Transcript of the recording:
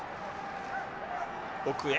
奥へ。